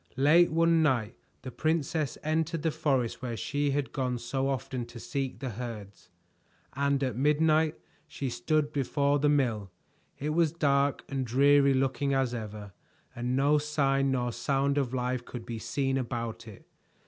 Late one night the princess entered the forest where she had gone so often to seek the herds, and at midnight she stood before the mill. It was dark and dreary looking as ever, and no sign nor sound of life could be seen about it.